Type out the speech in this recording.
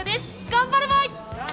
頑張るばい！